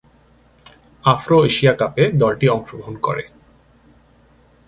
Afro-Asia কাপে দলটি অংশগ্রহণ করে।